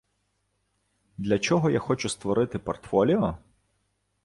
Для чого я хочу створити портфоліо?